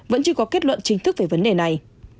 vẫn chưa có kết luận chính thức về vấn đề này